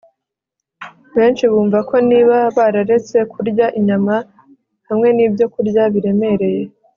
benshi bumva ko niba bararetse kurya inyama hamwe n'ibyokurya biremereye